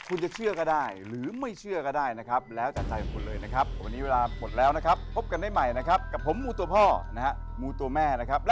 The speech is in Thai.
คุณก๊อปเบนเจพรยินดีครับยินดีครับขอบคุณครับ